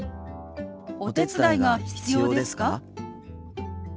「お手伝いが必要ですか？」。